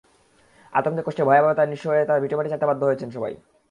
আতঙ্কে, কষ্টে, ভয়াবহতায়, নিঃস্ব হয়ে নিজের ভিটেমাটি ছাড়তে বাধ্য হয়েছেন সবাই।